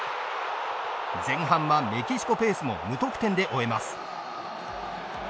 前半はメキシコペースも無得点で終えます。